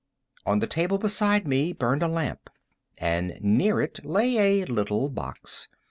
_" On the table beside me burned a lamp, and near it lay a little box.